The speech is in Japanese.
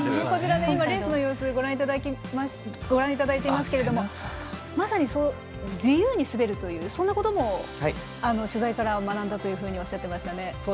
こちら、レースの様子をご覧いただいてますけれどもまさに自由に滑るということも取材から学んだとおっしゃっていましたね。